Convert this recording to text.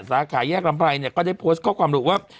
สาขาแยกลำไพรเนี่ยก็ได้โพสต์ข้อความรู้ว่า